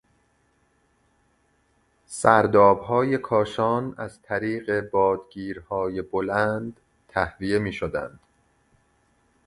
سردابهای کاشان از طریق بادگیریهای بلند تهویه میشدند.